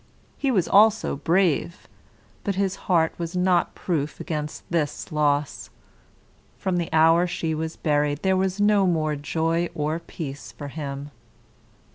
He was also brave, but his heart was not proof against this loss. From the hour she was buried, there was no more joy or peace for him.